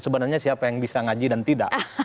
sebenarnya siapa yang bisa ngaji dan tidak